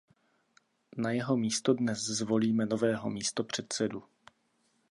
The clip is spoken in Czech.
Na jeho místo dnes zvolíme nového místopředsedu.